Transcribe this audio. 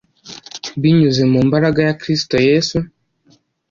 Binyuze mu mbaraga ya Kristo yesu